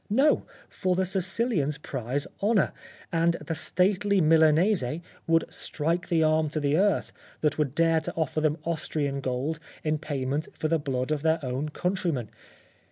No ; for the Sicilians prize honour, and the stately Milanese would strike the arm to the earth that would dare to offer them Austrian gold in pay ment for the blood of their own countrymen.